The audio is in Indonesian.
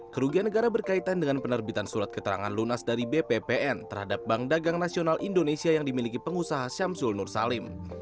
kerugian negara berkaitan dengan penerbitan surat keterangan lunas dari bppn terhadap bank dagang nasional indonesia yang dimiliki pengusaha syamsul nur salim